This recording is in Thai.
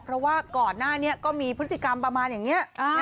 เพราะว่าก่อนหน้านี้ก็มีพฤติกรรมประมาณอย่างนี้